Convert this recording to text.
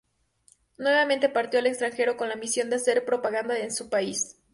Nuevamente partió al extranjero con la misión de hacer propaganda a su país.